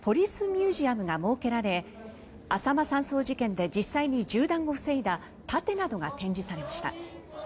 ミュージアムが設けられ浅間山荘事件で実際に銃弾を防いだ盾などが展示されました。